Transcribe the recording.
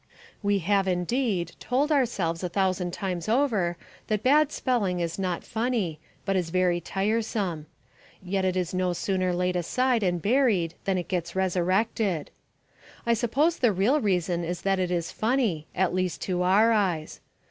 We have, indeed, told ourselves a thousand times over that bad spelling is not funny, but is very tiresome. Yet it is no sooner laid aside and buried than it gets resurrected. I suppose the real reason is that it is funny, at least to our eyes.